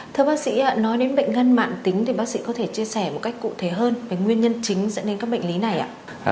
thưa bác sĩ nói đến bệnh nhân mạng tính thì bác sĩ có thể chia sẻ một cách cụ thể hơn về nguyên nhân chính dẫn đến các bệnh lý này ạ